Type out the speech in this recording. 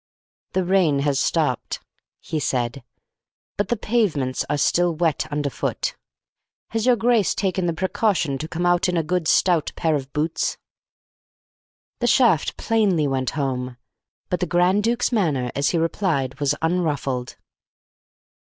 "The rain has stopped," he said, "but the pavements are still wet underfoot. Has your grace taken the precaution to come out in a good stout pair of boots?" The shaft plainly went home, but the Grand Duke's manner, as he replied, was unruffled.